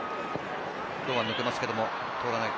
堂安が抜けますけど通らない。